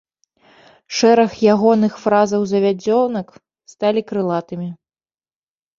Шэраг ягоных фразаў-завядзёнак сталі крылатымі.